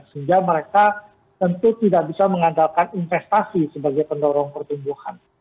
sehingga mereka tentu tidak bisa mengandalkan investasi sebagai pendorong pertumbuhan